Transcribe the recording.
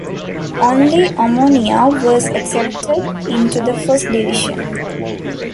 Only Omonia was accepted into the First Division.